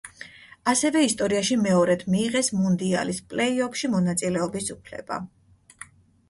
ასევე ისტორიაში მეორედ მიიღეს მუნდიალის პლეი-ოფში მონაწილეობის უფლება.